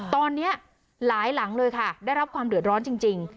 ตอนนี้หลายหลังเลยค่ะได้รับความเดือดร้อนจริง